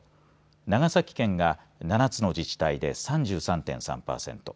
長崎県が７つの自治体で３３．３パーセント。